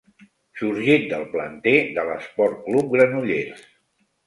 Sorgit del planter de l'Esport Club Granollers.